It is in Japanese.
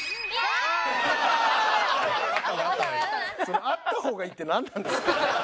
その「あった方がいい」ってなんなんです？